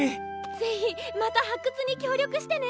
ぜひまた発掘に協力してね！